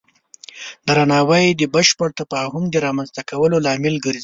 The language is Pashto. درناوی د بشپړ تفاهم د رامنځته کولو لامل ګرځي.